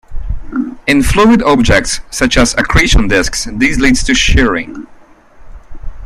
In fluid objects, such as accretion disks, this leads to shearing.